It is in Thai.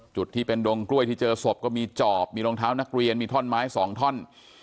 จุดที่เป็นดงกล้วยที่เจอศพก็มีจอบมีรองเท้านักเรียนมีท่อนไม้๒ท่อน